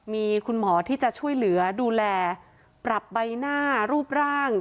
มีคุณหมอที่จะช่วยเหลือดูแลปรับใบหน้ารูปร่าง